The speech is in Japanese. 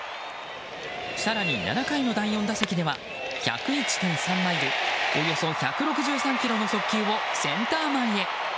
更に７回の第４打席は１０１．３マイルおよそ１６３キロの速球をセンター前へ。